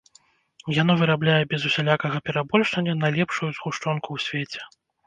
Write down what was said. Яно вырабляе без усялякага перабольшання найлепшую згушчонку ў свеце.